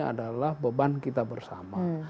adalah beban kita bersama